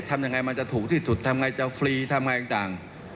ทำอย่างไรมันจะถูกที่สุดทำอย่างไรจะฟรีทำอย่างไรต่าง